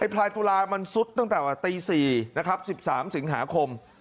พลายตุลามันซุดตั้งแต่ตี๔นะครับ๑๓สิงหาคม